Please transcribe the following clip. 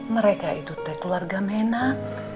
mereka itu keluarga menak